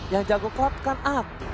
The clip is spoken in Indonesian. yang jago cloud kan aku